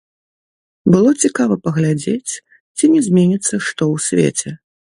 Было цікава паглядзець, ці не зменіцца што ў свеце.